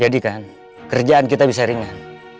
jadikan kerjaan kita bisa ringan